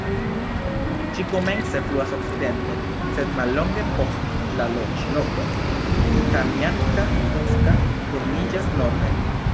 Ĝi komence fluas okcidenten, sed mallonge post la loĝloko Kamjanka-Buska turniĝas norden.